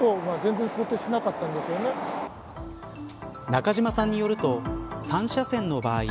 中島さんによると３車線の場合